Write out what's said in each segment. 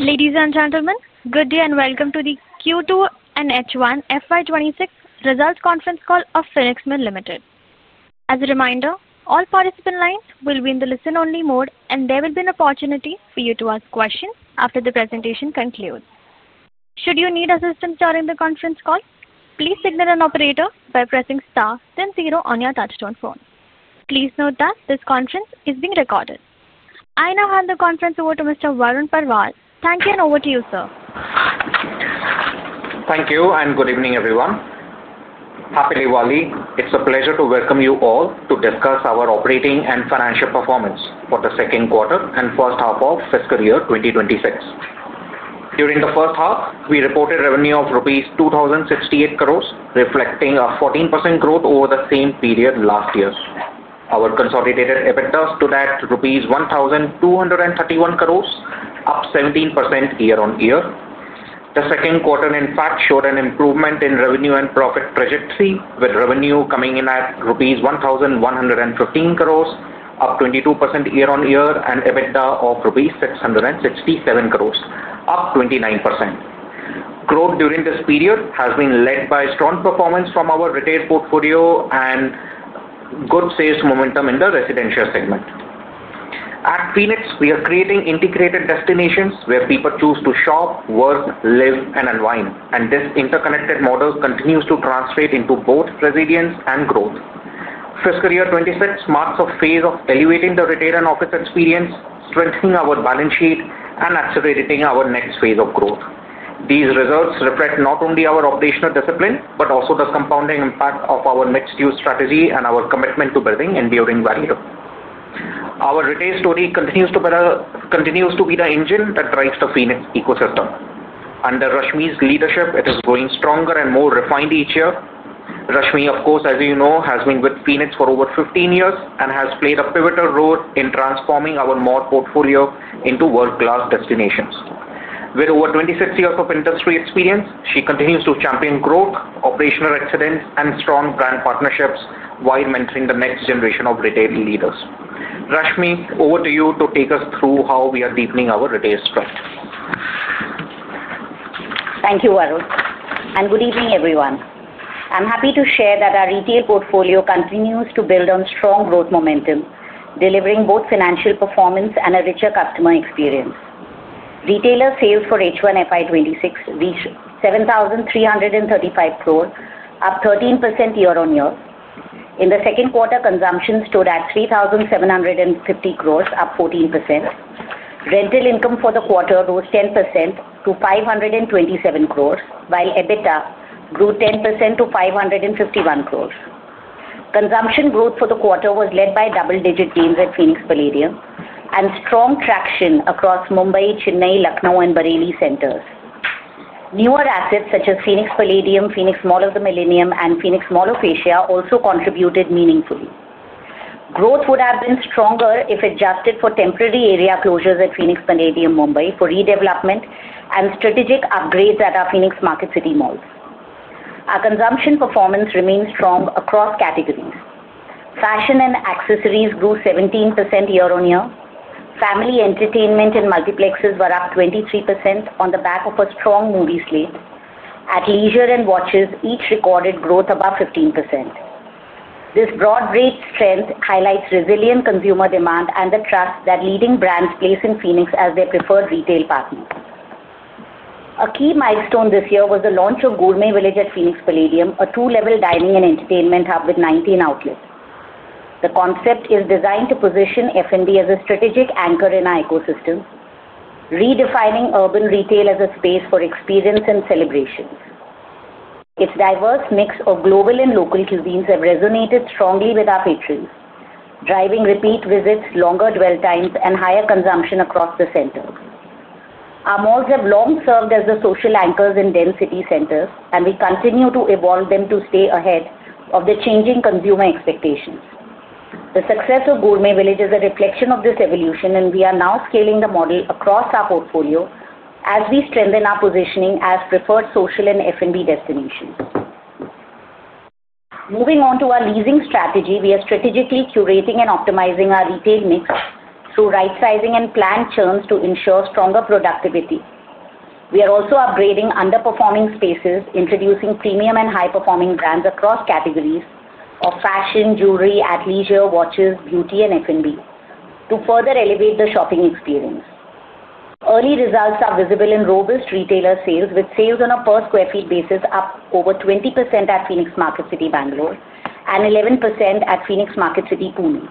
Ladies and gentlemen, good day and welcome to the Q2 NH1 FY2026 results conference call of Phoenix Mills Limited. As a reminder, all participant lines will be in the listen-only mode, and there will be an opportunity for you to ask questions after the presentation concludes. Should you need assistance during the conference call, please signal an operator by pressing star then zero on your touchtone phone. Please note that this conference is being recorded. I now hand the conference over to Mr. Varun Parwal. Thank you, and over to you, sir. Thank you, and good evening, everyone. Happy Diwali. It's a pleasure to welcome you all to discuss our operating and financial performance for the second quarter and first half of fiscal year 2026. During the first half, we reported revenue of rupees 2,068 crore, reflecting a 14% growth over the same period last year. Our consolidated EBITDA stood at INR 1,231 crore, up 17% year-on-year. The second quarter, in fact, showed an improvement in revenue and profit trajectory, with revenue coming in at rupees 1,115 crore, up 22% year-on-year, and EBITDA of rupees 667 crore, up 29%. Growth during this period has been led by strong performance from our retail portfolio and good sales momentum in the residential segment. At Phoenix, we are creating integrated destinations where people choose to shop, work, live, and unwind, and this interconnected model continues to translate into both resilience and growth. Fiscal year 2026 marks a phase of elevating the retail and office experience, strengthening our balance sheet, and accelerating our next phase of growth. These results reflect not only our operational discipline but also the compounding impact of our mixed-use strategy and our commitment to building enduring value. Our retail story continues to be the engine that drives the Phoenix ecosystem. Under Rashmi's leadership, it is growing stronger and more refined each year. Rashmi, of course, as you know, has been with Phoenix for over 15 years and has played a pivotal role in transforming our mall portfolio into world-class destinations. With over 26 years of industry experience, she continues to champion growth, operational excellence, and strong brand partnerships while mentoring the next generation of retail leaders. Rashmi, over to you to take us through how we are deepening our retail strength. Thank you, Varun. And good evening, everyone. I'm happy to share that our retail portfolio continues to build on strong growth momentum, delivering both financial performance and a richer customer experience. Retailer sales for H1 FY2026 reached 7,335 crore, up 13% year-on-year. In the second quarter, consumption stood at 3,750 crore, up 14%. Rental income for the quarter rose 10% to 527 crore, while EBITDA grew 10% to 551 crore. Consumption growth for the quarter was led by double-digit gains at Phoenix Palladium and strong traction across Mumbai, Chennai, Lucknow, and Bareilly centers. Newer assets such as Phoenix Palladium, Phoenix Mall of the Millennium, and Phoenix Mall of Asia also contributed meaningfully. Growth would have been stronger if adjusted for temporary area closures at Phoenix Palladium, Mumbai, for redevelopment and strategic upgrades at our Phoenix Market City malls. Our consumption performance remains strong across categories. Fashion and accessories grew 17% year-on-year. Family entertainment and multiplexes were up 23% on the back of a strong movie slate. At leisure and watches, each recorded growth above 15%. This broad rate strength highlights resilient consumer demand and the trust that leading brands place in Phoenix as their preferred retail partner. A key milestone this year was the launch of Gourmet Village at Phoenix Palladium, a two-level dining and entertainment hub with 19 outlets. The concept is designed to position F&B as a strategic anchor in our ecosystem, redefining urban retail as a space for experience and celebrations. Its diverse mix of global and local cuisines has resonated strongly with our patrons, driving repeat visits, longer dwell times, and higher consumption across the center. Our malls have long served as the social anchors in city centers, and we continue to evolve them to stay ahead of the changing consumer expectations. The success of Gourmet Village is a reflection of this evolution, and we are now scaling the model across our portfolio as we strengthen our positioning as preferred social and F&B destinations. Moving on to our leasing strategy, we are strategically curating and optimizing our retail mix through right-sizing and planned churns to ensure stronger productivity. We are also upgrading underperforming spaces, introducing premium and high-performing brands across categories of fashion, jewelry, athleisure, watches, beauty, and F&B to further elevate the shopping experience. Early results are visible in robust retailer sales, with sales on a per-square-foot basis up over 20% at Market City, Bangalore, and 11% at Phoenix Market City, Pune.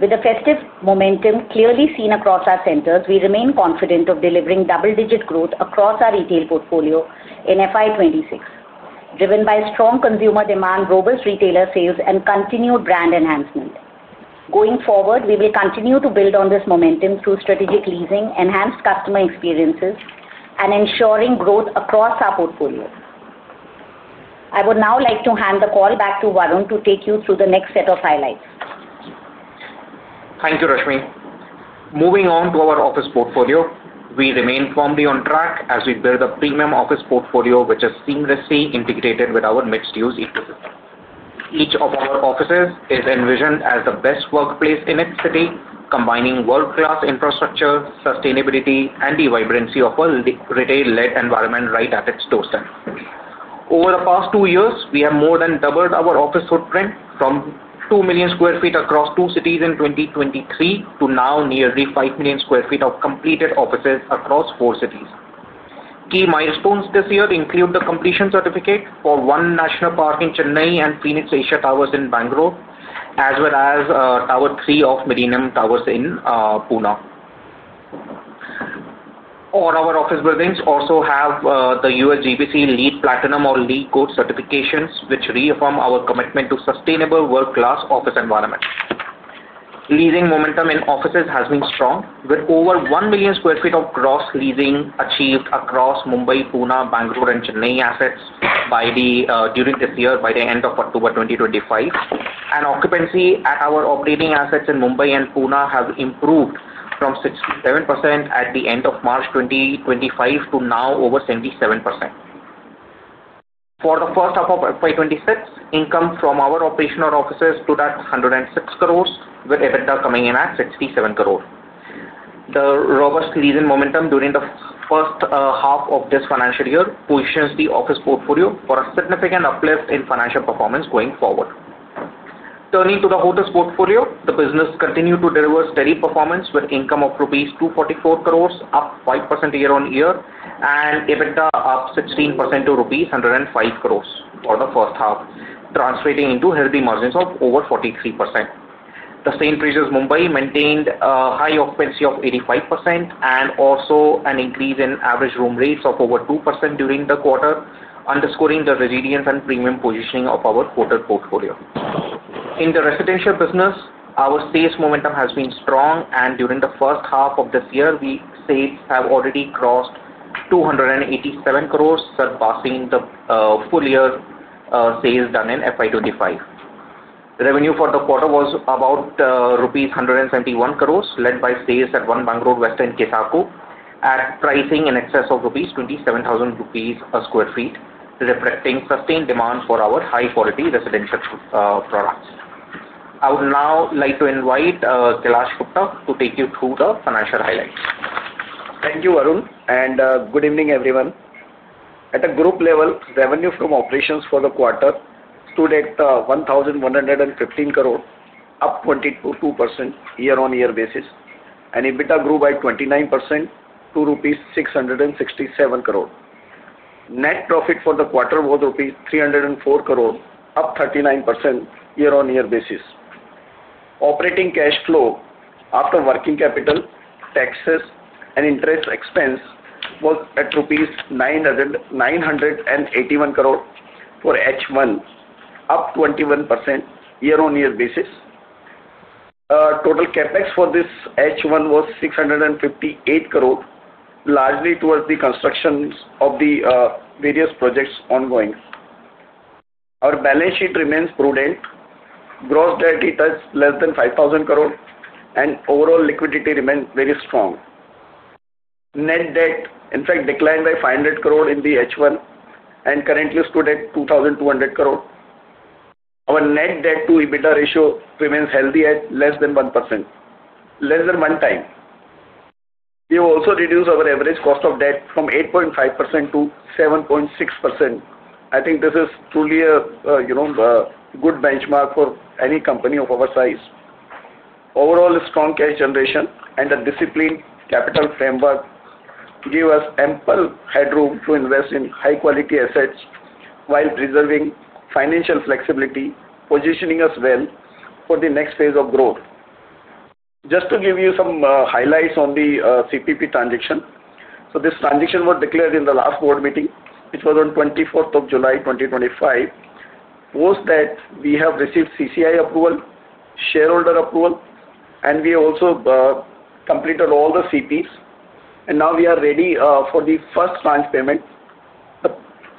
With the festive momentum clearly seen across our centers, we remain confident of delivering double-digit growth across our retail portfolio in FY2026, driven by strong consumer demand, robust retailer sales, and continued brand enhancement. Going forward, we will continue to build on this momentum through strategic leasing, enhanced customer experiences, and ensuring growth across our portfolio. I would now like to hand the call back to Varun to take you through the next set of highlights. Thank you, Rashmi. Moving on to our office portfolio, we remain firmly on track as we build a premium office portfolio which is seamlessly integrated with our mixed-use ecosystem. Each of our offices is envisioned as the best workplace in its city, combining world-class infrastructure, sustainability, and the vibrancy of a retail-led environment right at its doorstep. Over the past two years, we have more than doubled our office footprint from 2 million sq ft across two cities in 2023 to now nearly 5 million sq feet of completed offices across four cities. Key milestones this year include the completion certificate for One National Park in Chennai and Phoenix Asia Towers in Bangalore, as well as Tower 3 of Millennium Towers in Pune. All our office buildings also have the USGBC LEED Platinum or LEED Gold certifications, which reaffirm our commitment to sustainable, world-class office environments. Leasing momentum in offices has been strong, with over 1 million square feet of gross leasing achieved across Mumbai, Pune, Bangalore, and Chennai assets during this year by the end of October 2025. Occupancy at our operating assets in Mumbai and Pune has improved from 67% at the end of March 2025 to now over 77%. For the first half of FY2026, income from our operational offices stood at 106 crore, with EBITDA coming in at 67 crore. The robust leasing momentum during the first half of this financial year positions the office portfolio for a significant uplift in financial performance going forward. Turning to the hotels portfolio, the business continued to deliver steady performance, with income of rupees 244 crore, up 5% year-on-year, and EBITDA up 16% to rupees 105 crore for the first half, translating into healthy margins of over 43%. The same trade as Mumbai maintained a high occupancy of 85% and also an increase in average room rates of over 2% during the quarter, underscoring the resilience and premium positioning of our hotel portfolio. In the residential business, our sales momentum has been strong, and during the first half of this year, we sales have already crossed 287 crore, surpassing the full-year sales done in FY2025. Revenue for the quarter was about rupees 171 crore, led by sales at One Bangalore West and Kessaku, at pricing in excess of 27,000 rupees per sq ft, reflecting sustained demand for our high-quality residential products. I would now like to invite Kailash Gupta to take you through the financial highlights. Thank you, Varun. And good evening, everyone. At the group level, revenue from operations for the quarter stood at 1,115 crore, up 22% year-on-year basis, and EBITDA grew by 29% to rupees 667 crore. Net profit for the quarter was rupees 304 crore, up 39% year-on-year basis. Operating cash flow, after working capital, taxes, and interest expense, was at 981 crore rupees for H1, up 21% year-on-year basis. Total CapEx for this H1 was 658 crore, largely towards the construction of the various projects ongoing. Our balance sheet remains prudent. Gross debt touched less than 5,000 crore, and overall liquidity remains very strong. Net debt, in fact, declined by 500 crore in the H1 and currently stood at 2,200 crore. Our net debt-to-EBITDA ratio remains healthy at less than 1%, less than one time. We have also reduced our average cost of debt from 8.5%-7.6%. I think this is truly a good benchmark for any company of our size. Overall, a strong cash generation and a disciplined capital framework give us ample headroom to invest in high-quality assets while preserving financial flexibility, positioning us well for the next phase of growth. Just to give you some highlights on the CPP Investments transaction, this transaction was declared in the last board meeting, which was on 24th of July 2025. Post that, we have received CCI approval, shareholder approval, and we also completed all the CPs. We are now ready for the first tranche payment. The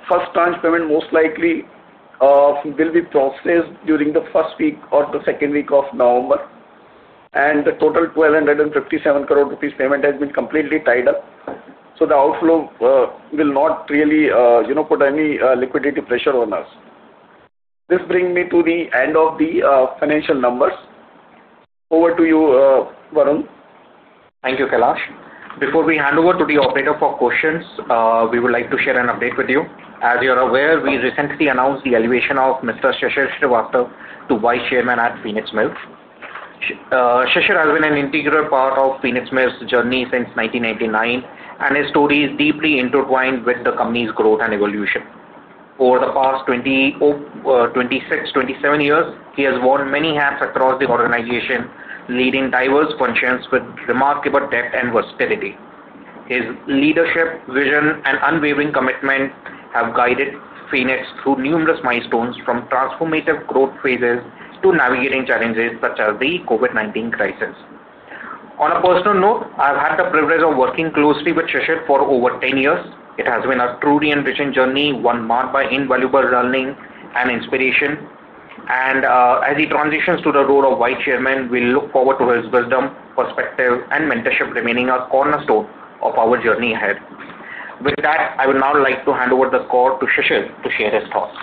first tranche payment most likely will be processed during the first week or the second week of November. The total 1,257 crore rupees payment has been completely tied up. The outflow will not really put any liquidity pressure on us. This brings me to the end of the financial numbers. Over to you, Varun. Thank you, Kailash. Before we hand over to the operator for questions, we would like to share an update with you. As you're aware, we recently announced the elevation of Mr. Shishir Shrivastava to Vice Chairman at Phoenix Mills. Shishir has been an integral part of Phoenix Mills' journey since 1999, and his story is deeply intertwined with the company's growth and evolution. Over the past 26-27 years, he has worn many hats across the organization, leading diverse functions with remarkable depth and versatility. His leadership, vision, and unwavering commitment have guided Phoenix through numerous milestones, from transformative growth phases to navigating challenges such as the COVID-19 crisis. On a personal note, I've had the privilege of working closely with Shishir for over 10 years. It has been a truly enriching journey, one marked by invaluable learning and inspiration. As he transitions to the role of Vice Chairman, we look forward to his wisdom, perspective, and mentorship remaining a cornerstone of our journey ahead. With that, I would now like to hand over the call to Shishir to share his thoughts.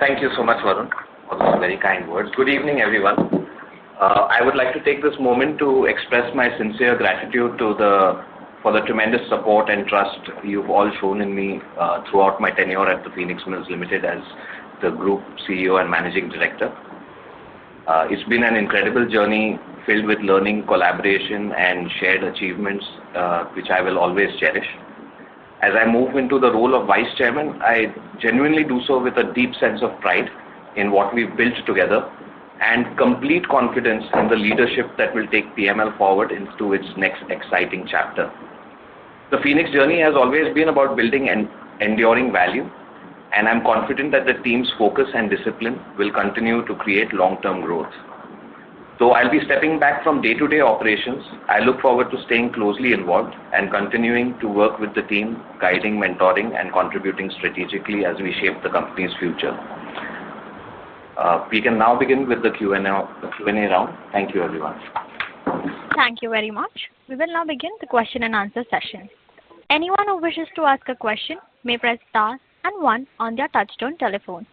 Thank you so much, Varun, for those very kind words. Good evening, everyone. I would like to take this moment to express my sincere gratitude for the tremendous support and trust you've all shown in me throughout my tenure at Phoenix Mills Limited as the Group CEO and Managing Director. It's been an incredible journey filled with learning, collaboration, and shared achievements, which I will always cherish. As I move into the role of Vice Chairman, I genuinely do so with a deep sense of pride in what we've built together and complete confidence in the leadership that will take PML forward into its next exciting chapter. The Phoenix journey has always been about building and enduring value, and I'm confident that the team's focus and discipline will continue to create long-term growth. Though I'll be stepping back from day-to-day operations, I look forward to staying closely involved and continuing to work with the team, guiding, mentoring, and contributing strategically as we shape the company's future. We can now begin with the Q&A round. Thank you, everyone. Thank you very much. We will now begin the question-and-answer session. Anyone who wishes to ask a question may press star and one on their touchstone telephone.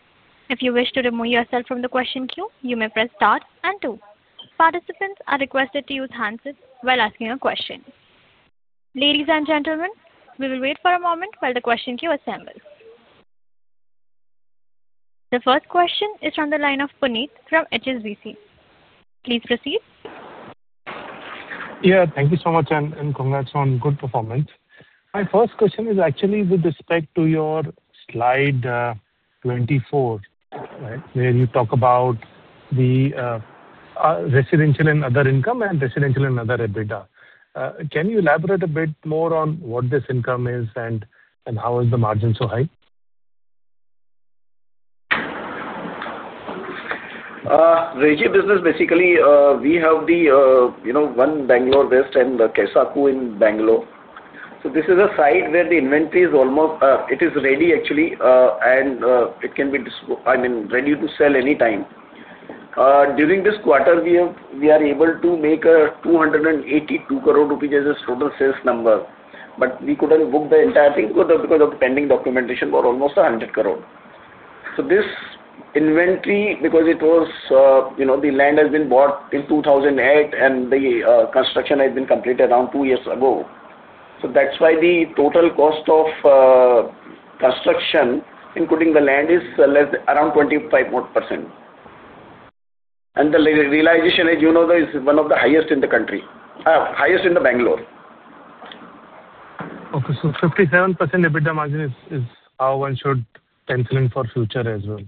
If you wish to remove yourself from the question queue, you may press star and two. Participants are requested to use hands while asking a question. Ladies and gentlemen, we will wait for a moment while the question queue assembles. The first question is from the line of Puneet from HSBC. Please proceed. Thank you so much and congrats on good performance. My first question is actually with respect to your slide 24, where you talk about the residential and other income and residential and other EBITDA. Can you elaborate a bit more on what this income is and how is the margin so high? Residential business, basically, we have the One Bangalore West and the Kessaku in Bangalore. This is a site where the inventory is almost, it is ready, actually, and it can be, I mean, ready to sell any time. During this quarter, we are able to make an 282 crore rupees as a total sales number, but we couldn't book the entire thing because of the pending documentation for almost 100 crore. This inventory, because it was, the land has been bought in 2008, and the construction has been completed around two years ago. That's why the total cost of construction, including the land, is around 25%. The realization, as you know, is one of the highest in the country, highest in Bangalore. Okay, so 57% EBITDA margin is how one should pencil in for future as well.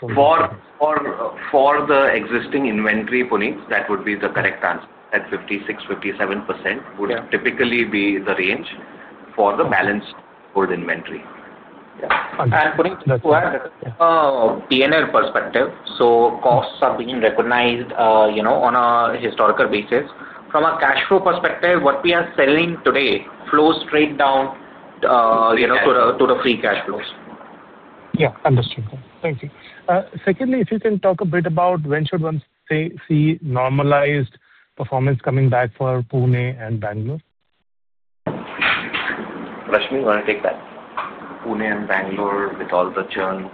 For the existing inventory, Puneet, that would be the correct answer. That 56%, 57% would typically be the range for the balance hold inventory. Puneet, from a P&L perspective, costs are being recognized on a historical basis. From a cash flow perspective, what we are selling today flows straight down to the free cash flows. Yeah, understood. Thank you. Secondly, if you can talk a bit about when should one see normalized performance coming back for Pune and Bangalore? Rashmi, you want to take that? Pune and Bangalore with all the churn?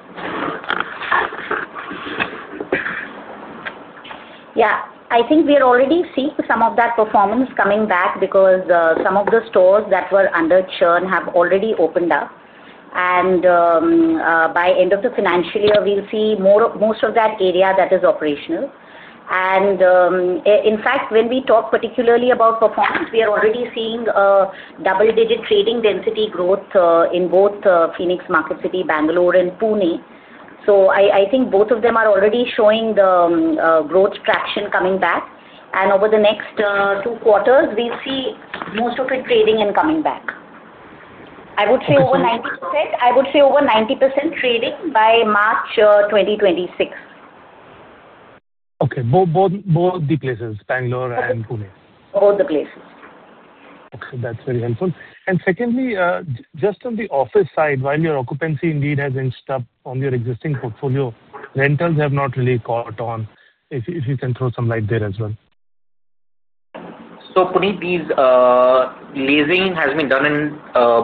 Yeah, I think we are already seeing some of that performance coming back because some of the stores that were under churn have already opened up. By the end of the financial year, we'll see most of that area that is operational. In fact, when we talk particularly about performance, we are already seeing double-digit trading density growth in both Phoenix Market City, Bangalore, and Pune. I think both of them are already showing the growth traction coming back. Over the next two quarters, we'll see most of it trading and coming back. I would say over 90%, I would say over 90% trading by March 2026. Okay, both the places, Bangalore and Pune? Both the places. Okay, that's very helpful. Secondly, just on the office side, while your occupancy indeed has inched up on your existing portfolio, rentals have not really caught on. If you can throw some light there as well. Puneet, leasing has been done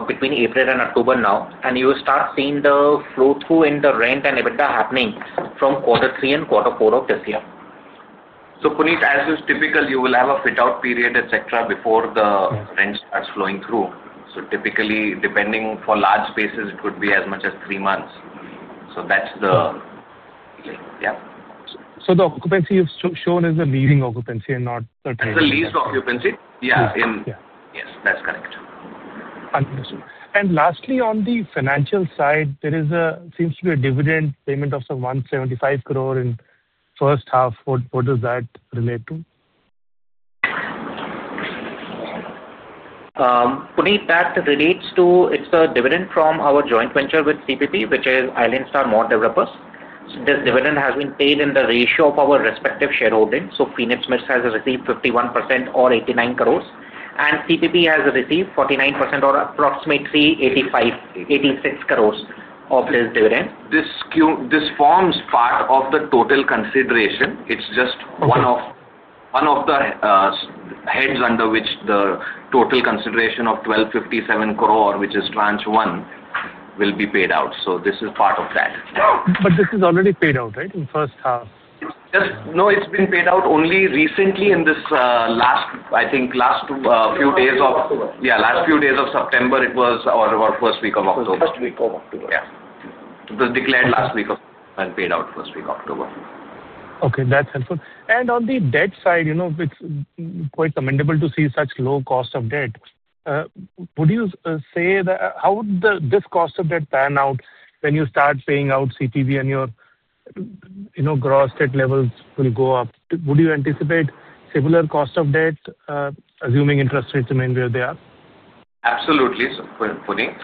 between April and October now, and you will start seeing the flow-through in the rent and EBITDA happening from quarter three and quarter four of this year. As is typical, you will have a fit-out period, etc., before the rent starts flowing through. Typically, depending for large spaces, it could be as much as three months. That's the, yeah. The occupancy you've shown is the leasing occupancy and not the transaction? As a leased occupancy, yeah. Yes, that's correct. Understood. Lastly, on the financial side, there seems to be a dividend payment of 175 crore in the first half. What does that relate to? Puneet, that relates to, it's a dividend from our joint venture with CPP Investments, which is Island Star Mall Developers Private Limited. This dividend has been paid in the ratio of our respective shareholding. Phoenix Mills has received 51% or 89 crore, and CPP Investments has received 49% or approximately 86 crore of this dividend. This forms part of the total consideration. It's just one of the heads under which the total consideration of 1,257 crore, which is tranche one, will be paid out. This is part of that. This is already paid out, right, in the first half? No, it's been paid out only recently in this last, I think, last few days of, yeah, last few days of September, it was, or first week of October. First week of October. Yeah, it was declared last week of and paid out first week of October. Okay, that's helpful. On the debt side, it's quite commendable to see such low cost of debt. Would you say that, how would this cost of debt pan out when you start paying out CPP and your gross debt levels will go up? Would you anticipate similar cost of debt, assuming interest rates remain where they are? Absolutely, Puneet.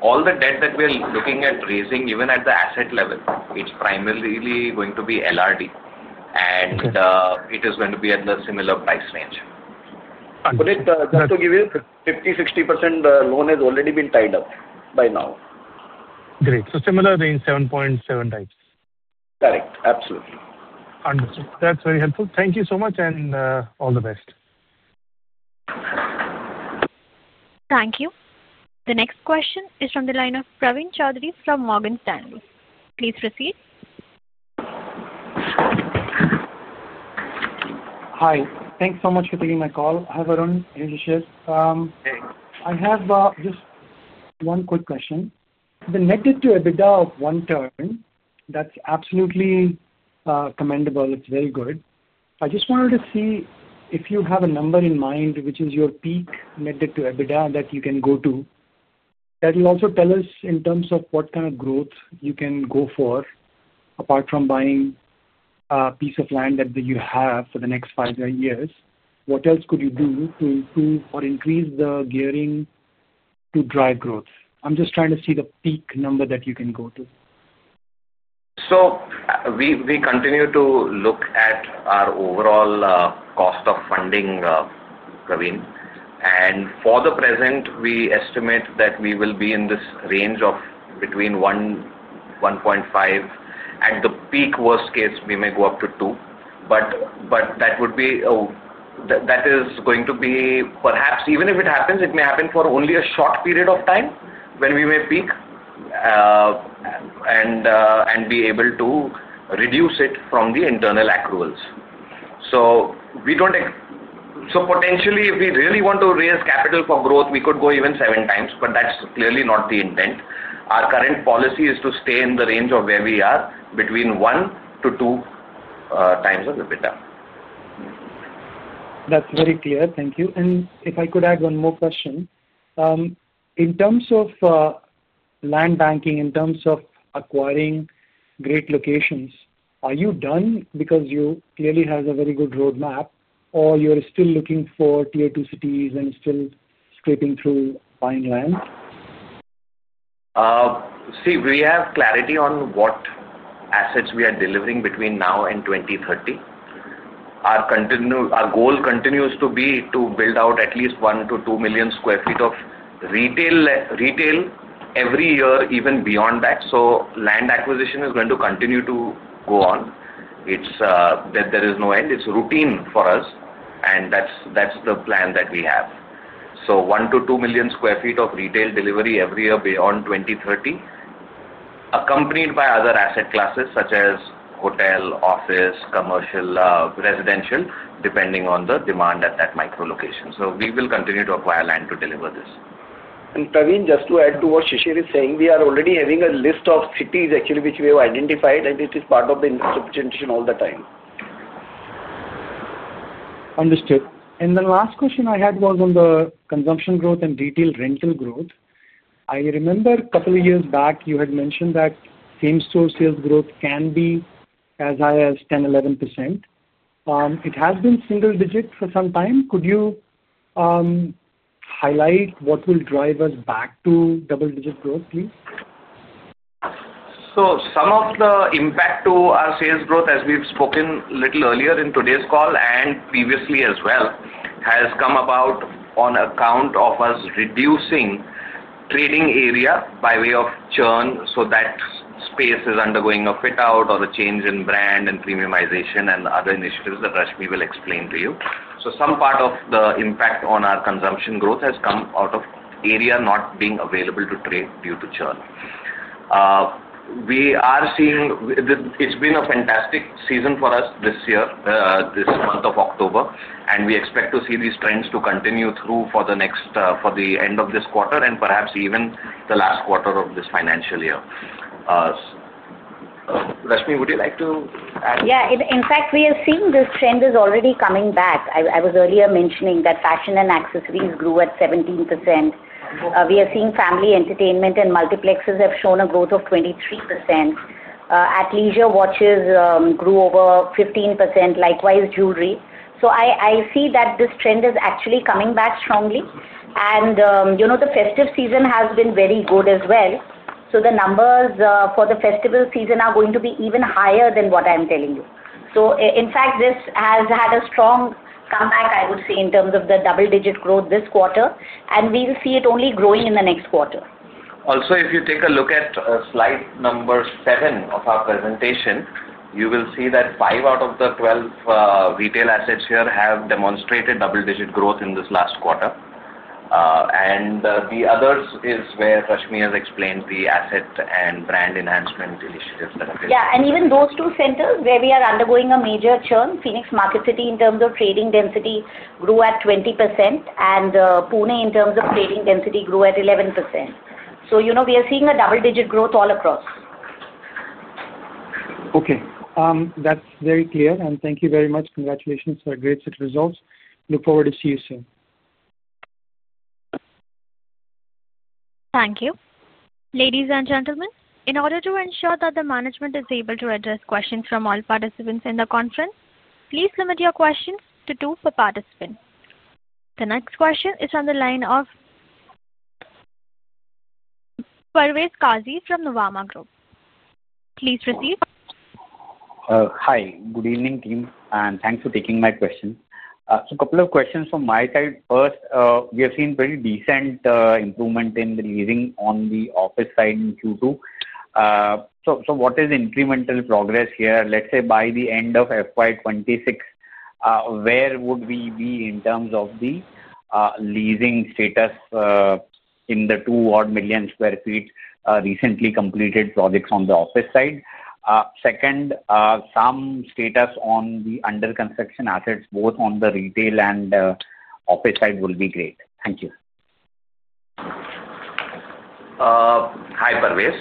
All the debt that we're looking at raising, even at the asset level, is primarily going to be LRD, and it is going to be at a similar price range. Puneet, just to give you, 50%-60% loan has already been tied up by now. Great. Similar range, 7.7x. Correct. Absolutely. Understood. That's very helpful. Thank you so much and all the best. Thank you. The next question is from the line of Praveen Choudhary from Morgan Stanley. Please proceed. Hi. Thanks so much for taking my call. Hi, Varun. Nice to see you. I have just one quick question. The net debt-to-EBITDA of one turn, that's absolutely commendable. It's very good. I just wanted to see if you have a number in mind, which is your peak net debt-to-EBITDA that you can go to. That will also tell us in terms of what kind of growth you can go for. Apart from buying a piece of land that you have for the next five years, what else could you do to improve or increase the gearing to drive growth? I'm just trying to see the peak number that you can go to. We continue to look at our overall cost of funding, Praveen. For the present, we estimate that we will be in this range of between 1.5. At the peak, worst case, we may go up to 2. That is going to be perhaps, even if it happens, it may happen for only a short period of time when we may peak and be able to reduce it from the internal accruals. Potentially, if we really want to raise capital for growth, we could go even seven times, but that's clearly not the intent. Our current policy is to stay in the range of where we are, between 1 to 2 times of EBITDA. That's very clear. Thank you. If I could add one more question, in terms of land banking, in terms of acquiring great locations, are you done because you clearly have a very good roadmap, or you're still looking for tier two cities and still scraping through buying land? We have clarity on what assets we are delivering between now and 2030. Our goal continues to be to build out at least 1 million-2 million sq ft of retail every year, even beyond that. Land acquisition is going to continue to go on. There is no end. It's routine for us, and that's the plan that we have. 1 million-2 million sq ft of retail delivery every year beyond 2030, accompanied by other asset classes such as hotel, office, commercial, residential, depending on the demand at that micro location. We will continue to acquire land to deliver this. Praveen, just to add to what Shishir is saying, we are already having a list of cities, actually, which we have identified, and it is part of the representation all the time. Understood. The last question I had was on the consumption growth and retail rental growth. I remember a couple of years back, you had mentioned that same-store sales growth can be as high as 10%, 11%. It has been single-digit for some time. Could you highlight what will drive us back to double-digit growth, please? Some of the impact to our sales growth, as we've spoken a little earlier in today's call and previously as well, has come about on account of us reducing trading area by way of churn. That space is undergoing a fit-out or a change in brand and premiumization and other initiatives that Rashmi will explain to you. Some part of the impact on our consumption growth has come out of area not being available to trade due to churn. We are seeing it's been a fantastic season for us this year, this month of October, and we expect to see these trends continue through for the end of this quarter and perhaps even the last quarter of this financial year. Rashmi, would you like to add? In fact, we are seeing this trend is already coming back. I was earlier mentioning that fashion and accessories grew at 17%. We are seeing family entertainment and multiplexes have shown a growth of 23%. At leisure, watches grew over 15%, likewise jewelry. I see that this trend is actually coming back strongly. The festive season has been very good as well. The numbers for the festival season are going to be even higher than what I'm telling you. In fact, this has had a strong comeback, I would say, in terms of the double-digit growth this quarter, and we will see it only growing in the next quarter. Also, if you take a look at slide number seven of our presentation, you will see that five out of the 12 retail assets here have demonstrated double-digit growth in this last quarter. The others are where Rashmi has explained the asset and brand enhancement initiatives that are taking place. Yeah, even those two centers where we are undergoing a major churn, Phoenix Market City in terms of trading density grew at 20%, and Pune in terms of trading density grew at 11%. We are seeing a double-digit growth all across. Okay, that's very clear. Thank you very much. Congratulations for great results. Look forward to seeing you soon. Thank you. Ladies and gentlemen, in order to ensure that the management is able to address questions from all participants in the conference, please limit your questions to two per participant. The next question is from the line of Parvez Qazi from Nuvama Group. Please proceed. Hi. Good evening, team, and thanks for taking my question. A couple of questions from my side. First, we have seen pretty decent improvement in the leasing on the office side in Q2. What is the incremental progress here? Let's say by the end of FY2026, where would we be in terms of the leasing status in the two-odd million square feet recently completed projects on the office side? Second, some status on the under-construction assets, both on the retail and office side, will be great. Thank you. Hi, Parvez.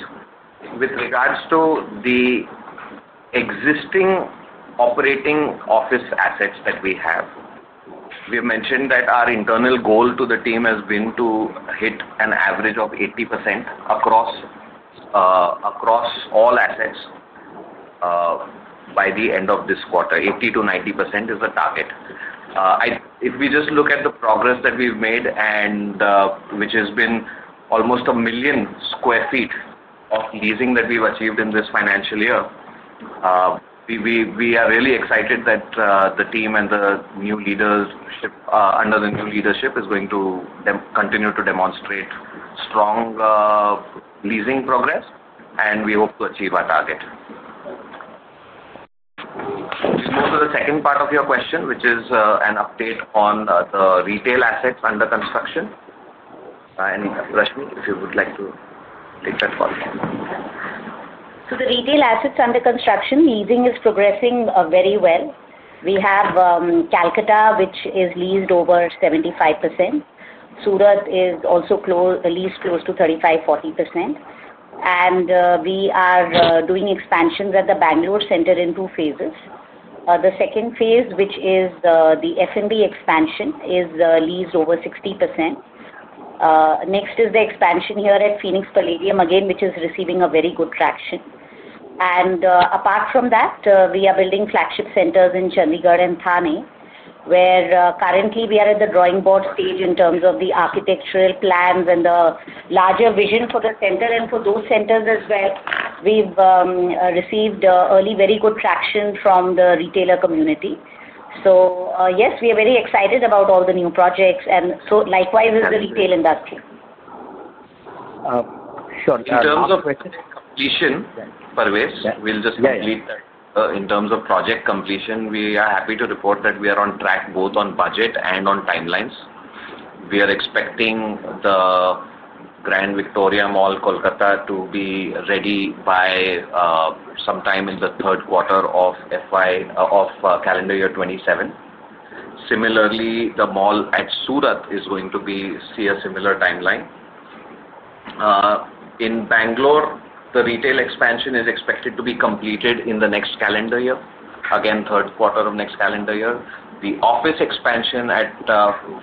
With regards to the existing operating office assets that we have, we have mentioned that our internal goal to the team has been to hit an average of 80% across all assets by the end of this quarter. 80%-90% is the target. If we just look at the progress that we've made, which has been almost a million square feet of leasing that we've achieved in this financial year, we are really excited that the team and the new leadership under the new leadership is going to continue to demonstrate strong leasing progress, and we hope to achieve our target. Let's move to the second part of your question, which is an update on the retail assets under construction. Rashmi, if you would like to take that part. The retail assets under construction, leasing is progressing very well. We have Kolkata, which is leased over 75%. Surat is also leased close to 35%, 40%. We are doing expansions at the Bangalore Center in two phases. The second phase, which is the F&B expansion, is leased over 60%. Next is the expansion here at Phoenix Palladium, again, which is receiving very good traction. Apart from that, we are building flagship centers in Chandigarh and Thane, where currently we are at the drawing board stage in terms of the architectural plans and the larger vision for the center. For those centers as well, we've received early very good traction from the retailer community. We are very excited about all the new projects. Likewise is the retail industry. Sure. In terms of completion, Parvez, we'll just complete that. In terms of project completion, we are happy to report that we are on track both on budget and on timelines. We are expecting the Grand Victoria Mall, Kolkata, to be ready by sometime in the third quarter of calendar year 2027. Similarly, the mall at Surat is going to see a similar timeline. In Bangalore, the retail expansion is expected to be completed in the next calendar year, again, third quarter of next calendar year. The office expansion at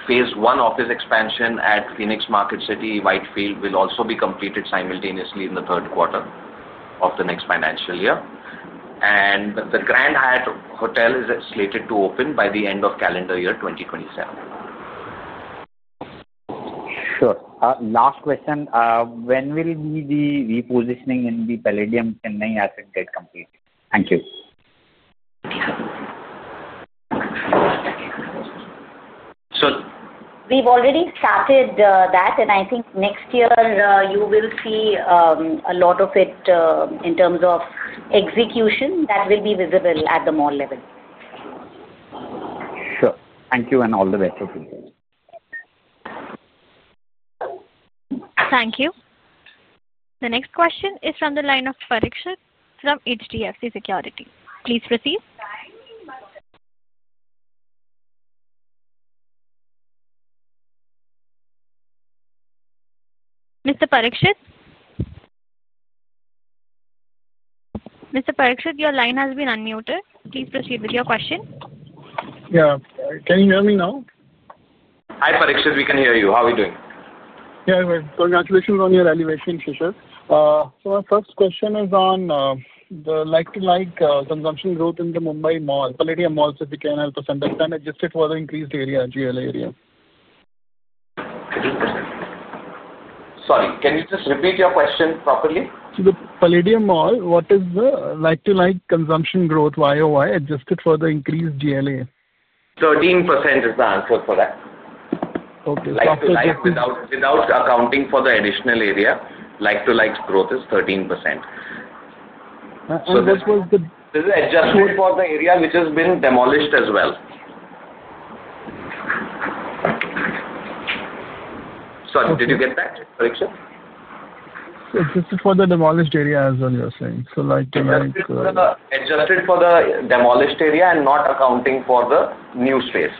phase one office expansion at Phoenix Market City, White Field, will also be completed simultaneously in the third quarter of the next financial year. The Grand Hyatt Hotel is slated to open by the end of calendar year 2027. Sure. Last question. When will the repositioning in the Palladium Chennai asset get complete? Thank you. So. We've already started that, and I think next year you will see a lot of it in terms of execution that will be visible at the mall level. Sure. Thank you, and all the best. Thank you. The next question is from the line of Parikshit from HDFC Security. Please proceed. Mr. Parikshit, your line has been unmuted. Please proceed with your question. Yeah, can you hear me now? Hi, Parikshit. We can hear you. How are we doing? Yeah. Congratulations on your elevation, Shishir. Our first question is on the like-to-like consumption growth in the Mumbai Mall, Phoenix Palladium, if you can help us understand adjusted for the increased area, GLA area. Sorry, can you just repeat your question properly? What is the like-to-like consumption growth Y-O-Y adjusted for the increased GLA? 13% is the answer for that. Okay, after that. Like-to-like, without accounting for the additional area, like-to-like growth is 13%. That was the. This is adjusted for the area which has been demolished as well. Sorry, did you get that, Parikshit? Adjusted for the demolished area as well, you're saying, like-to-like. Adjusted for the demolished area and not accounting for the new space,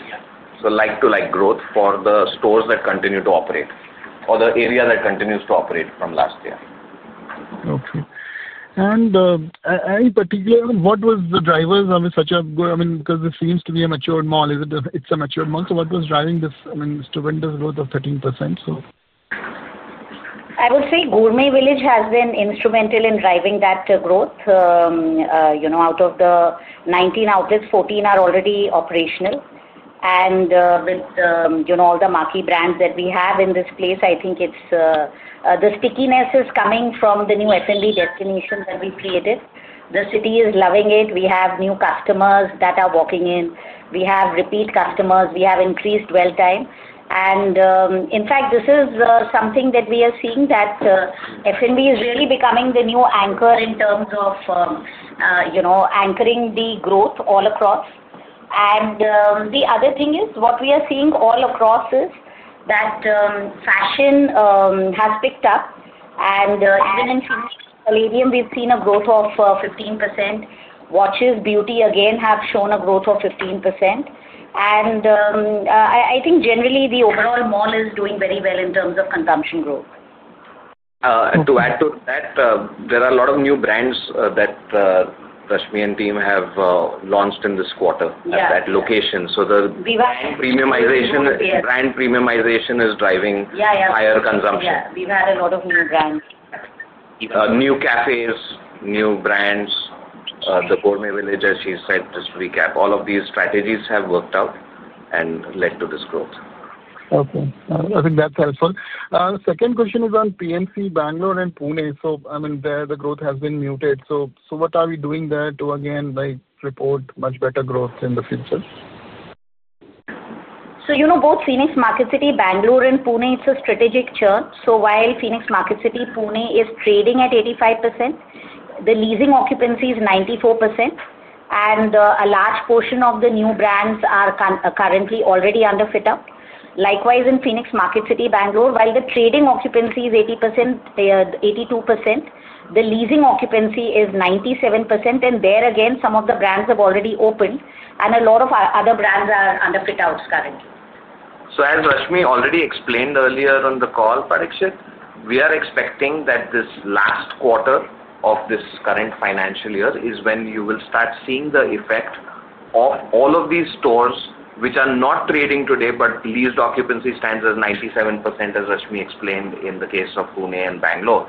like-to-like growth for the stores that continue to operate or the area that continues to operate from last year. Okay. In particular, what was the driver of such a—I mean, because this seems to be a matured mall, it's a matured mall. What was driving this, I mean, this tremendous growth of 13%? I would say Gourmet Village has been instrumental in driving that growth. Out of the 19 outlets, 14 are already operational. With all the marquee brands that we have in this place, I think the stickiness is coming from the new F&B destinations that we've created. The city is loving it. We have new customers that are walking in, we have repeat customers, and we have increased dwell time. In fact, this is something that we are seeing, that F&B is really becoming the new anchor in terms of anchoring the growth all across. The other thing is what we are seeing all across is that fashion has picked up. Even in Phoenix Palladium, we've seen a growth of 15%. Watches, beauty, again, have shown a growth of 15%. I think generally the overall mall is doing very well in terms of consumption growth. To add to that, there are a lot of new brands that Rashmi and team have launched in this quarter at that location. The brand premiumization is driving higher consumption. Yeah, we've had a lot of new brands. New cafes, new brands. The Gourmet Village, as she said, just to recap, all of these strategies have worked out and led to this growth. Okay. I think that's helpful. The second question is on P&C Bangalore and Pune. The growth has been muted. What are we doing there to, again, report much better growth in the future? Both Phoenix Market City, Bangalore, and Pune, it's a strategic churn. While Phoenix Market City, Pune is trading at 85%, the leasing occupancy is 94%, and a large portion of the new brands are currently already under fit-out. Likewise, in Phoenix Market City, Bangalore, while the trading occupancy is 82%, the leasing occupancy is 97%. There again, some of the brands have already opened, and a lot of other brands are under fit-outs currently. As Rashmi already explained earlier on the call, Parikshit, we are expecting that this last quarter of this current financial year is when you will start seeing the effect of all of these stores which are not trading today, but leased occupancy stands at 97%, as Rashmi explained in the case of Pune and Bangalore.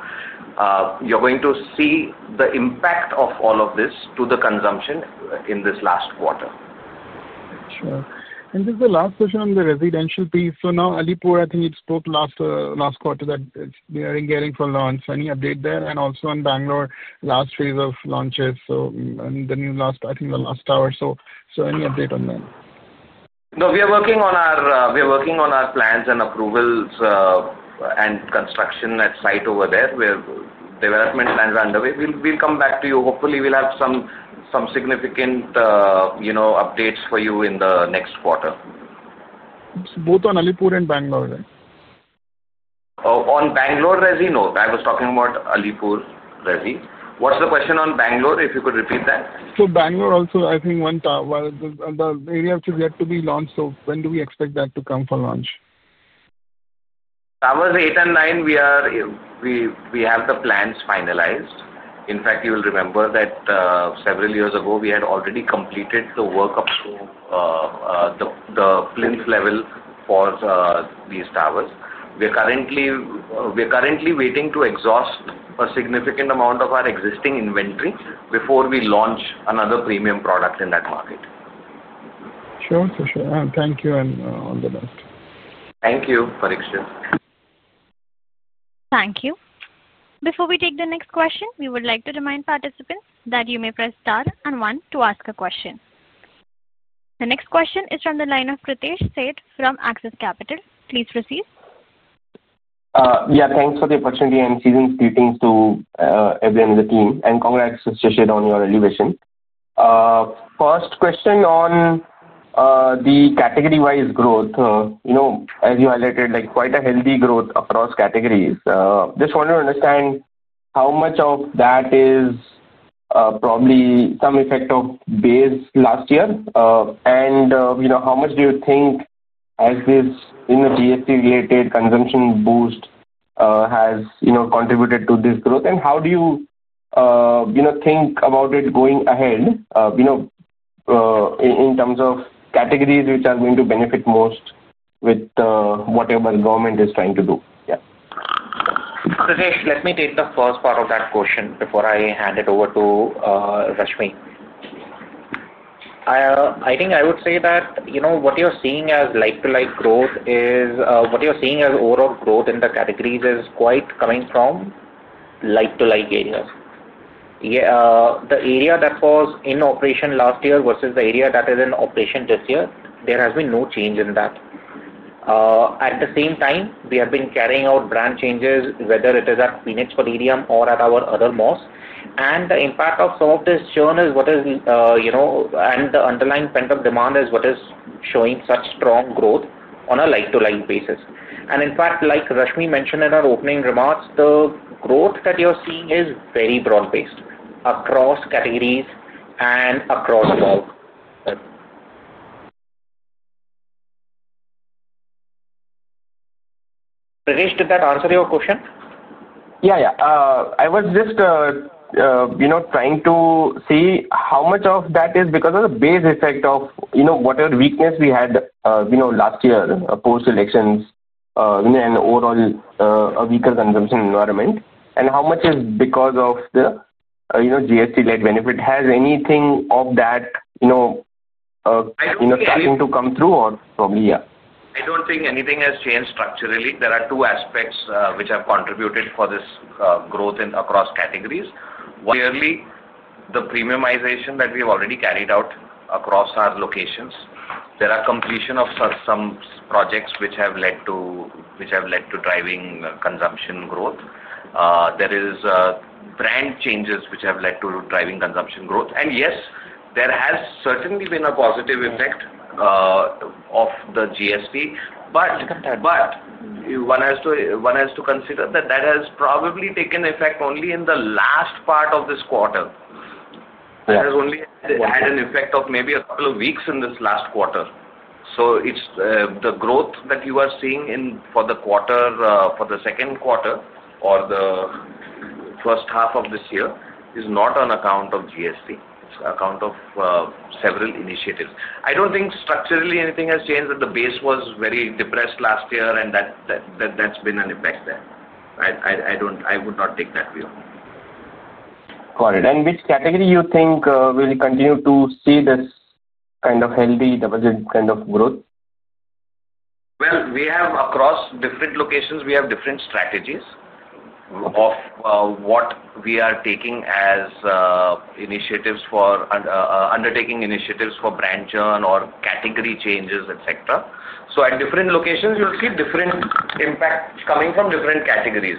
You are going to see the impact of all of this to the consumption in this last quarter. Sure. Just the last question on the residential piece. Now, Alipur, I think you spoke last quarter that they are getting for launch. Any update there? Also in Bangalore, last phase of launches. I think the last hour. Any update on that? No, we are working on our plans and approvals, and construction at site over there. Development plans are underway. We'll come back to you. Hopefully, we'll have some significant updates for you in the next quarter. Both on Alipur and Bangalore, right? On Bangalore, Rashmi, no, I was talking about Alipur, Rashmi. What's the question on Bangalore? If you could repeat that. I think the area in Bangalore is yet to be launched. When do we expect that to come for launch? Towers 8 and 9, we have the plans finalized. In fact, you will remember that several years ago, we had already completed the work up to the plinth level for these towers. We're currently waiting to exhaust a significant amount of our existing inventory before we launch another premium product in that market. Sure, for sure. Thank you. On the next. Thank you, Parikshit. Thank you. Before we take the next question, we would like to remind participants that you may press star and one to ask a question. The next question is from the line of Pritesh Sheth from Axis Capital. Please proceed. Yeah. Thanks for the opportunity and season's greetings to everyone in the team. And congrats, Shishir, on your elevation. First question on the category-wise growth. As you highlighted, quite a healthy growth across categories. Just want to understand how much of that is probably some effect of base last year and how much do you think as this GST-related consumption boost has contributed to this growth? How do you think about it going ahead in terms of categories which are going to benefit most with whatever government is trying to do? Yeah. Pratesh, let me take the first part of that question before I hand it over to Rashmi. I think I would say that what you're seeing as like-to-like growth is what you're seeing as overall growth in the categories is quite coming from like-to-like areas. The area that was in operation last year versus the area that is in operation this year, there has been no change in that. At the same time, we have been carrying out brand changes, whether it is at Phoenix Palladium or at our other malls. The impact of some of this churn is what is, and the underlying pent-up demand is what is showing such strong growth on a like-to-like basis. In fact, like Rashmi mentioned in her opening remarks, the growth that you're seeing is very broad-based across categories and across malls. Pratesh, did that answer your question? I was just trying to see how much of that is because of the base effect of whatever weakness we had last year, post-elections, and overall a weaker consumption environment. How much is because of the GST-led benefit? Has anything of that started to come through or probably, yeah? I don't think anything has changed structurally. There are two aspects which have contributed for this growth across categories. Clearly, the premiumization that we have already carried out across our locations, there are completion of some projects which have led to driving consumption growth. There are brand changes which have led to driving consumption growth. Yes, there has certainly been a positive effect of the GST. One has to consider that that has probably taken effect only in the last part of this quarter. That has only had an effect of maybe a couple of weeks in this last quarter. The growth that you are seeing for the second quarter or the first half of this year is not on account of GST. It's on account of several initiatives. I don't think structurally anything has changed that the base was very depressed last year, and that's been an effect there. I would not take that view. Which category do you think will continue to see this kind of healthy deposit kind of growth? Across different locations, we have different strategies. We are undertaking initiatives for brand churn or category changes, etc. At different locations, you'll see different impacts coming from different categories.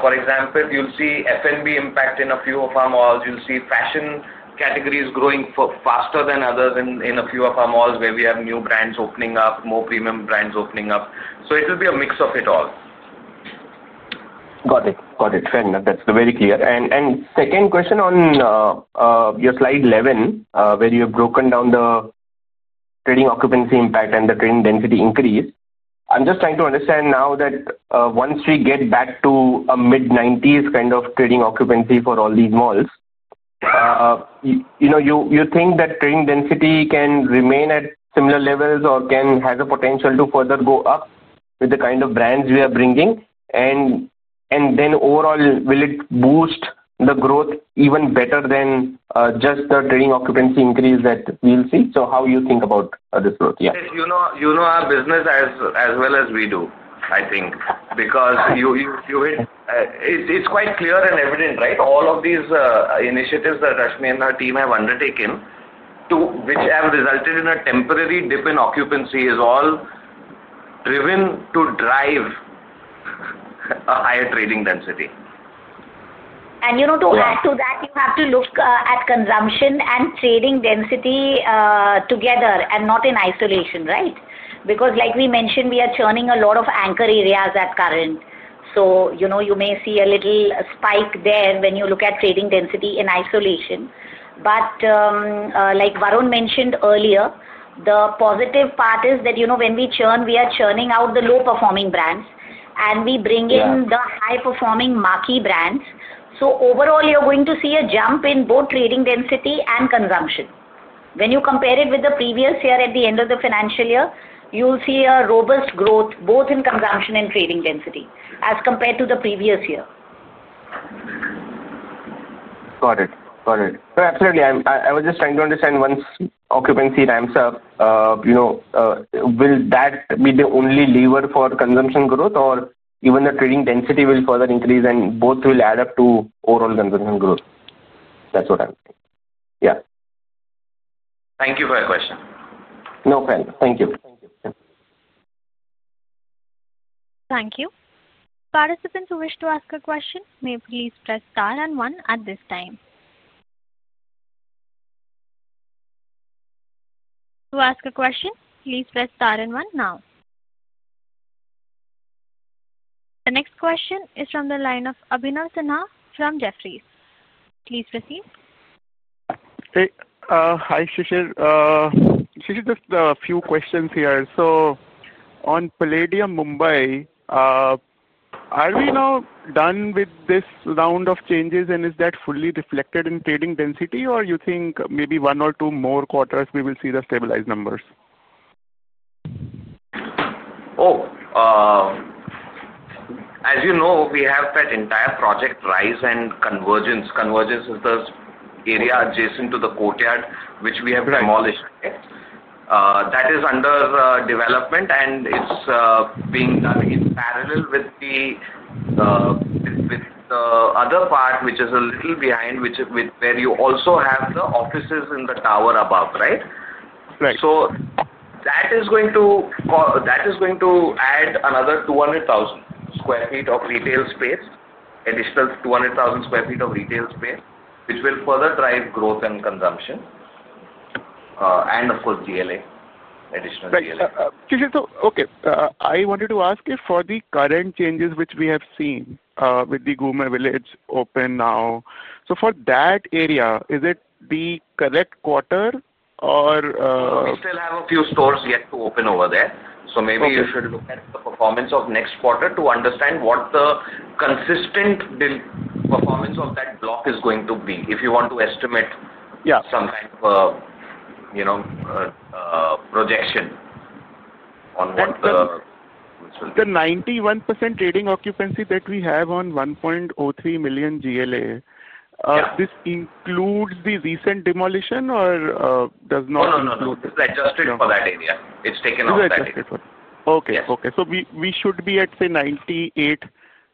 For example, you'll see F&B impact in a few of our malls. You'll see fashion categories growing faster than others in a few of our malls where we have new brands opening up, more premium brands opening up. It will be a mix of it all. Got it. Fair enough. That's very clear. Second question on your slide 11, where you have broken down the trading occupancy impact and the trading density increase. I'm just trying to understand now that once we get back to a mid-90s kind of trading occupancy for all these malls, do you think that trading density can remain at similar levels or has a potential to further go up with the kind of brands we are bringing? Overall, will it boost the growth even better than just the trading occupancy increase that we'll see? How do you think about this growth? You know our business as well as we do, I think, because you've hit it, it's quite clear and evident, right? All of these initiatives that Rashmi and her team have undertaken, which have resulted in a temporary dip in occupancy, are all driven to drive a higher trading density. To add to that, you have to look at consumption and trading density together and not in isolation, right? Like we mentioned, we are churning a lot of anchor areas at current. You may see a little spike there when you look at trading density in isolation. Like Varun mentioned earlier, the positive part is that when we churn, we are churning out the low-performing brands, and we bring in the high-performing marquee brands. Overall, you're going to see a jump in both trading density and consumption. When you compare it with the previous year at the end of the financial year, you'll see robust growth both in consumption and trading density as compared to the previous year. Got it. I was just trying to understand, once occupancy ramps up, will that be the only lever for consumption growth, or will even the trading density further increase, and both will add up to overall consumption growth? That's what I'm thinking. Yeah. Thank you for your question. No problem. Thank you. Thank you. Thank you. Participants who wish to ask a question may please press star and one at this time. To ask a question, please press star and one now. The next question is from the line of Abhinav Sinha from Jefferies. Please proceed. Hi, Shishir. Just a few questions here. On Palladium Mumbai, are we now done with this round of changes, and is that fully reflected in trading density, or do you think maybe one or two more quarters we will see the stabilized numbers? As you know, we have that entire project RISE and Convergence. Convergence is the area adjacent to the courtyard, which we have demolished. That is under development, and it's being done in parallel with the other part, which is a little behind, where you also have the offices in the tower above, right? Right. That is going to add another 200,000 sq ft of retail space, additional 200,000 sq ft of retail space, which will further drive growth and consumption. Of course, GLA, additional GLA. Okay. I wanted to ask if for the current changes which we have seen with the Gourmet Village open now, for that area, is it the correct quarter or? We still have a few stores yet to open over there. You should look at the performance of next quarter to understand what the consistent performance of that block is going to be if you want to estimate some kind of projection on what the. The 91% trading occupancy that we have on 1.03 million GLA, does this include the recent demolition or does it not include? No, no, no. This is adjusted for that area. It's taken off that area. Okay. We should be at, say, 98%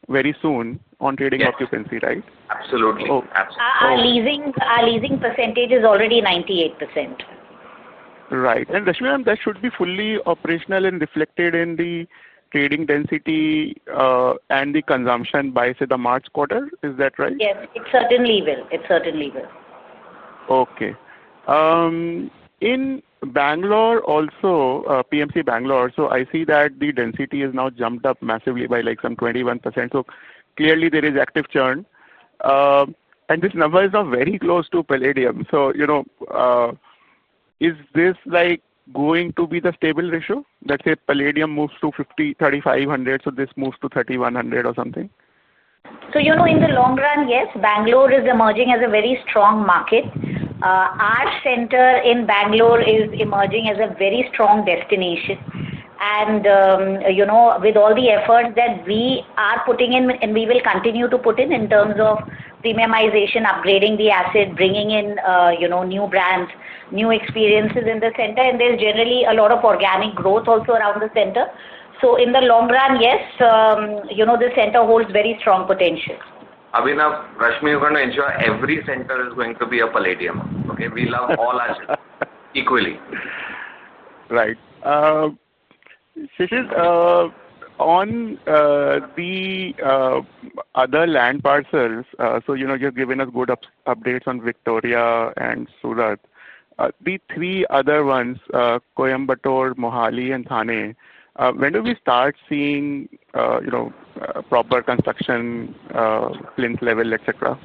very soon on trading occupancy, right? Absolutely. Absolutely. Our leasing percentage is already 98%. Right. Rashmi, that should be fully operational and reflected in the trading density and the consumption by, say, the March quarter. Is that right? Yes, it certainly will. It certainly will. Okay. In Bangalore also, PMC Bangalore, I see that the density has now jumped up massively by like 21%. Clearly, there is active churn, and this number is now very close to Phoenix Palladium. Is this going to be the stable ratio? Let's say Palladium moves to 3,500, so this moves to 3,100 or something. In the long run, yes, Bangalore is emerging as a very strong market. Our center in Bangalore is emerging as a very strong destination. With all the efforts that we are putting in, and we will continue to put in in terms of premiumization, upgrading the asset, bringing in new brands, new experiences in the center, there's generally a lot of organic growth also around the center. In the long run, yes, the center holds very strong potential. Abhinav, Rashmi, you're going to ensure every center is going to be a Palladium. Okay? We love all our centers equally. Right. Shishir, on the other land parcels, you've given us good updates on Victoria and Surat. The three other ones, Coimbatore, Mohali, and Thane, when do we start seeing proper construction, plinth level, etc.?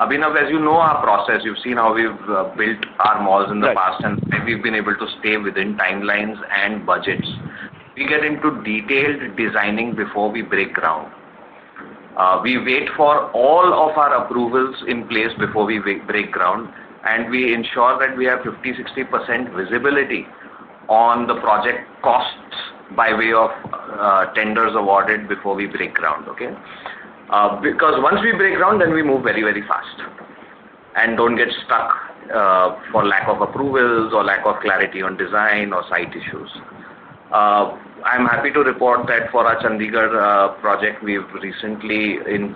Abhinav, as you know our process, you've seen how we've built our malls in the past, and we've been able to stay within timelines and budgets. We get into detailed designing before we break ground. We wait for all of our approvals in place before we break ground, and we ensure that we have 50, 60% visibility on the project costs by way of tenders awarded before we break ground, okay? Because once we break ground, we move very, very fast and don't get stuck for lack of approvals or lack of clarity on design or site issues. I'm happy to report that for our Chandigarh project,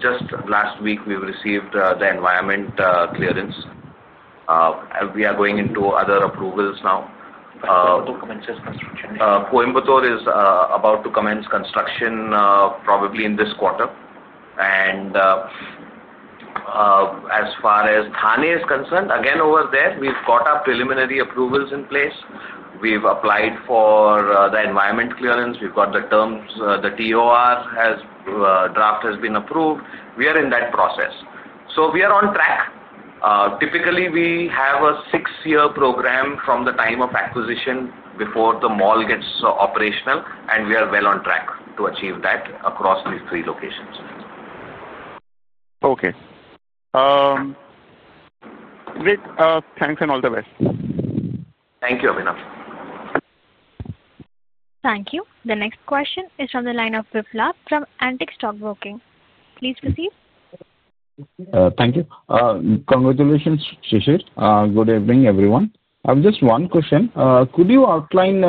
just last week, we've received the environment clearance. We are going into other approvals now. Coimbatore commences construction. Coimbatore is about to commence construction probably in this quarter. As far as Thane is concerned, again, over there, we've got our preliminary approvals in place. We've applied for the environment clearance. We've got the terms. The TOR draft has been approved. We are in that process. We are on track. Typically, we have a six-year program from the time of acquisition before the mall gets operational, and we are well on track to achieve that across these three locations. Okay, great. Thanks and all the best. Thank you, Abhinav. Thank you. The next question is from the line of Viplal from Antique Stock broking. Please proceed. Thank you. Congratulations, Shishir. Good evening, everyone. I have just one question. Could you outline,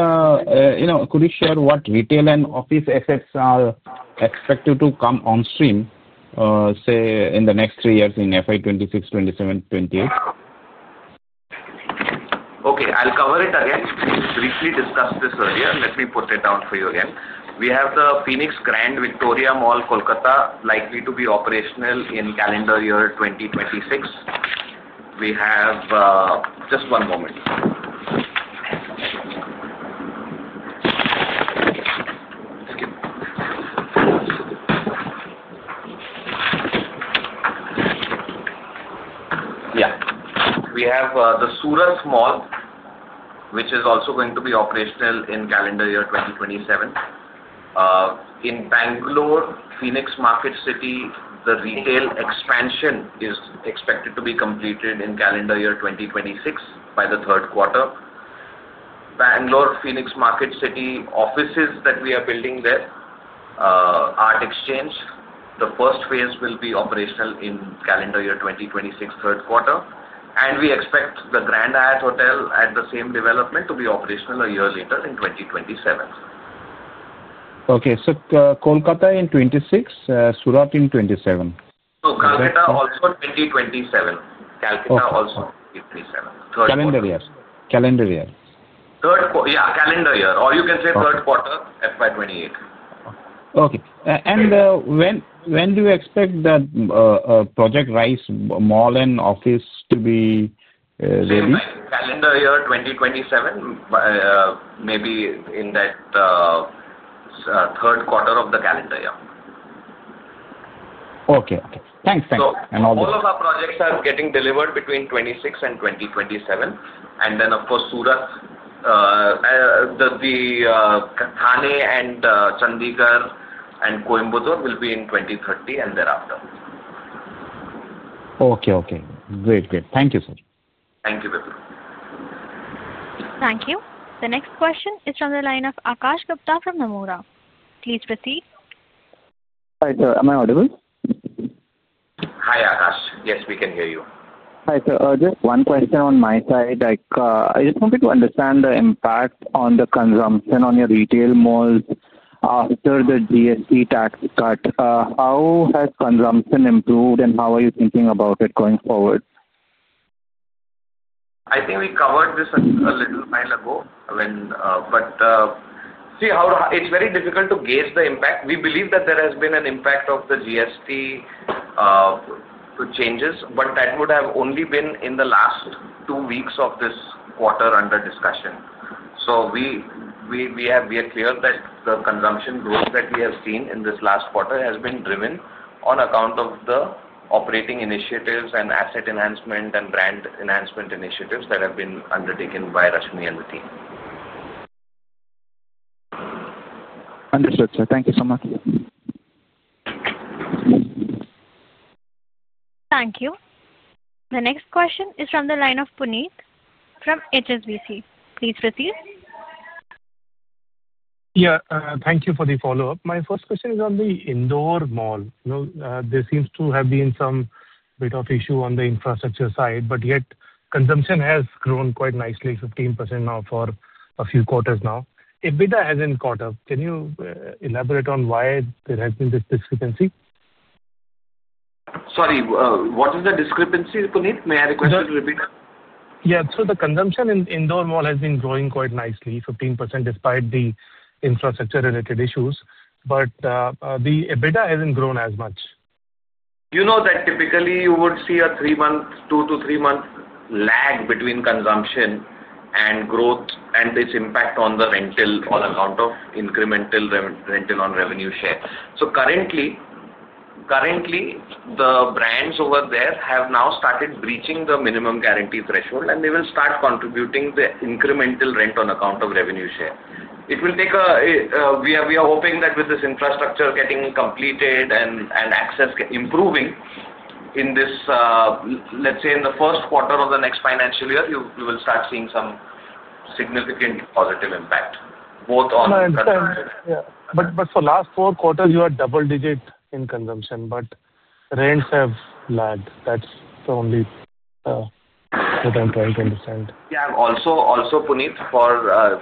could you share what retail and office assets are expected to come on stream, say in the next three years in FY 2026, 2027, 2028? Okay. I'll cover it again. We briefly discussed this earlier. Let me put it down for you again. We have the Phoenix Grand Victoria Mall, Kolkata, likely to be operational in calendar year 2026. We have the Surat Mall, which is also going to be operational in calendar year 2027. In Bangalore, Phoenix Market City, the retail expansion is expected to be completed in calendar year 2026 by the third quarter. Bangalore, Phoenix Market City offices that we are building there, Art Exchange, the first phase will be operational in calendar year 2026, third quarter. We expect the Grand Hyatt Hotel at the same development to be operational a year later in 2027. Okay. Kolkata in 2026, Surat in 2027? Calcutta also 2027. Calcutta also 2027. Calendar year. Calendar year. Yeah, calendar year, or you can say third quarter, FY2028. Okay. When do you expect that Project RISE mall and office to be ready? Calendar year 2027, maybe in that third quarter of the calendar year. Okay. Thanks. Thanks. All of our projects are getting delivered between 2026 and 2027. Surat, Thane, Chandigarh, and Coimbatore will be in 2030 and thereafter. Okay. Great. Thank you, sir. Thank you, Vipral. Thank you. The next question is from the line of Akash Gupta from Nomura. Please proceed. Hi, sir. Am I audible? Hi, Akash. Yes, we can hear you. Hi, sir. Just one question on my side. I just wanted to understand the impact on the consumption on your retail malls after the GST tax cut. How has consumption improved, and how are you thinking about it going forward? I think we covered this a little while ago. It's very difficult to gauge the impact. We believe that there has been an impact of the GST changes, but that would have only been in the last two weeks of this quarter under discussion. We are clear that the consumption growth that we have seen in this last quarter has been driven on account of the operating initiatives and asset enhancement and brand enhancement initiatives that have been undertaken by Rashmi and the team. Understood, sir. Thank you so much. Thank you. The next question is from the line of Puneet from HSBC. Please proceed. Thank you for the follow-up. My first question is on the Indore Mall. There seems to have been some bit of issue on the infrastructure side, but yet consumption has grown quite nicely, 15% now for a few quarters now. EBITDA hasn't caught up. Can you elaborate on why there has been this discrepancy? Sorry, what is the discrepancy, Puneet? May I request you to repeat that? Yeah. The consumption in Indore Mall has been growing quite nicely, 15% despite the infrastructure-related issues, but the EBITDA hasn't grown as much. You know that typically you would see a two to three-month lag between consumption and growth and its impact on the rental on account of incremental rental on revenue share. Currently, the brands over there have now started breaching the minimum guarantee threshold, and they will start contributing the incremental rent on account of revenue share. We are hoping that with this infrastructure getting completed and access improving in this, let's say, in the first quarter of the next financial year, we will start seeing some significant positive impact both on consumption and. For the last four quarters, you had double-digit in consumption, but rents have lagged. That's the only. What I'm trying to understand. Yeah. Also, Puneet,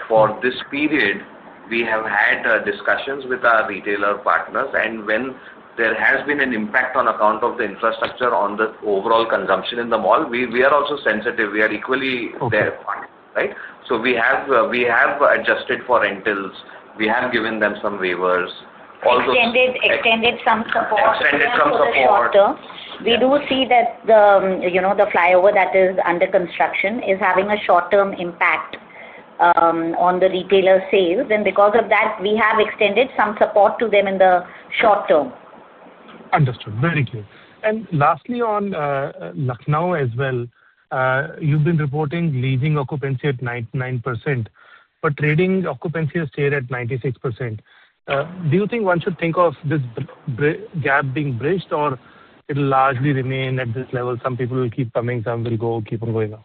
for this period, we have had discussions with our retailer partners. When there has been an impact on account of the infrastructure on the overall consumption in the mall, we are also sensitive. We are equally there, right? We have adjusted for rentals. We have given them some waivers. We do see that the flyover that is under construction is having a short-term impact on the retailer sales. Because of that, we have extended some support to them in the short term. Understood. Very clear. Lastly, on Lucknow as well, you've been reporting leasing occupancy at 99%, but trading occupancy has stayed at 96%. Do you think one should think of this gap being bridged, or it'll largely remain at this level? Some people will keep coming, some will go, keep on going out.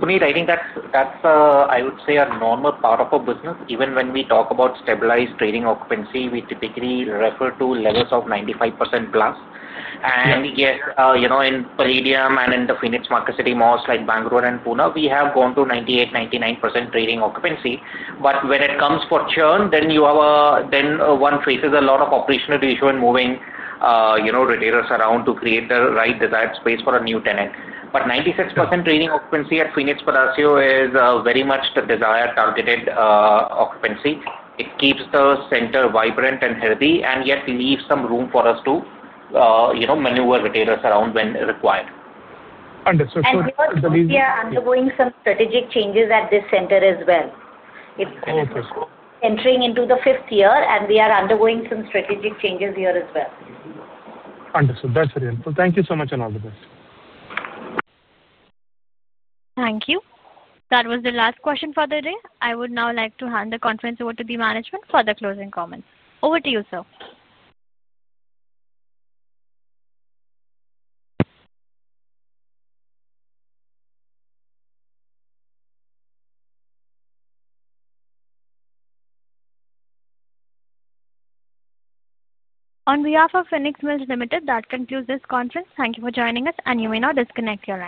Puneet, I think that's, I would say, a normal part of our business. Even when we talk about stabilized trading occupancy, we typically refer to levels of 95%+. Yes, in Phoenix Palladium and in the Phoenix Market City malls like Bangalore and Pune, we have gone to 98%, 99% trading occupancy. When it comes for churn, one faces a lot of operational issue in moving retailers around to create the right desired space for a new tenant. 96% trading occupancy at Phoenix Palacio is very much the desired targeted occupancy. It keeps the center vibrant and healthy, yet leaves some room for us to maneuver retailers around when required. Understood. We are undergoing some strategic changes at this center as well. It's also entering into the fifth year, and we are undergoing some strategic changes here as well. Understood. That's very helpful. Thank you so much and all the best. Thank you. That was the last question for the day. I would now like to hand the conference over to the management for the closing comments. Over to you, sir. On behalf of Phoenix Mills Limited, that concludes this conference. Thank you for joining us, and you may now disconnect.